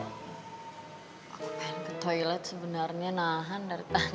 aku pengen ke toilet sebenarnya nahan dari tangan